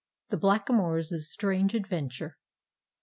THE BLACKAMOOR'S STRANGE ADVENTURE.